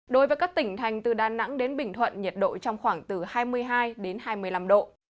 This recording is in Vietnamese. đối với các tỉnh thành từ đà nẵng đến bình thuận nhiệt độ trong khoảng từ hai mươi hai đến hai mươi năm độ